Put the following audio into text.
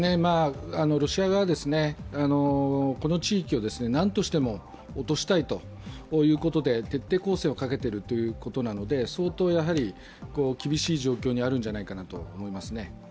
ロシア側は、この地域をなんとしても落としたいということで徹底攻勢をかけているということなので相当厳しい状況にあるんじゃないかなと思いますね。